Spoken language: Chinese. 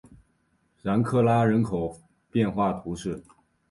然克拉人口变化图示